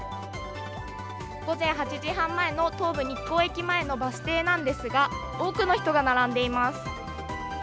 午前８時半前の東武日光駅ですが多くの人が並んでいます。